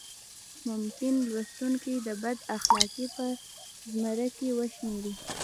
ممکن لوستونکي د بد اخلاقۍ په زمره کې وشمېري.